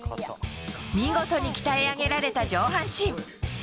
見事に鍛え上げられた上半身。